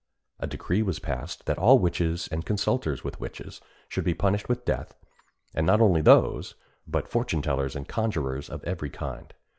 A decree was passed that all witches and consulters with witches should be punished with death; and not only those, but fortune tellers and conjurors of every kind.